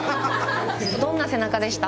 どんな背中でした？